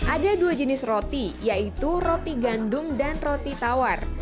ada dua jenis roti yaitu roti gandum dan roti tawar